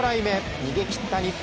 逃げ切った日本。